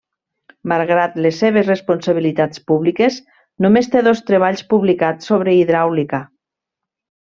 Malgrat les seves responsabilitats públiques, només té dos treballs publicats sobre hidràulica.